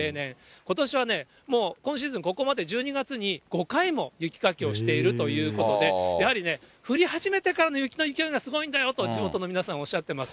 ことしはね、もう今シーズン、ここまで１２月に５回も雪かきをしているということで、やはりね、降り始めてからの雪の勢いがすごいんだよと、地元の皆さん、おっしゃってます。